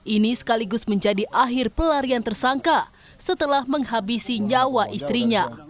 ini sekaligus menjadi akhir pelarian tersangka setelah menghabisi nyawa istrinya